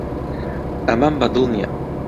ئەمەم بەدڵ نییە.